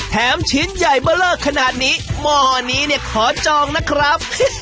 แถมชิ้นใหญ่เบลอขนาดนี้หมอนี้ขอจองนะครับ